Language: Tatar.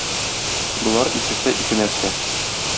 Болар икесе ике нәрсә.